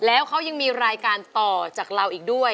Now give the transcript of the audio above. แล้วเขายังมีรายการต่อจากเราอีกด้วย